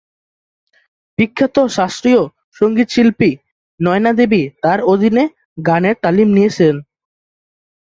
বিখ্যাত শাস্ত্রীয় সংগীতশিল্পী নয়না দেবী তার অধীনে গানের তালিম নিয়েছেন।